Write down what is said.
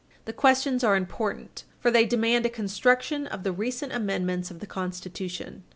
The questions are important, for they demand a construction of the recent amendment of the Constitution.